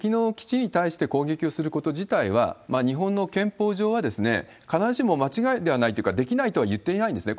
今、敵の基地に対して攻撃をすること自体は、日本の憲法上は、必ずしも間違いではないというか、できないとはいっていないんですね。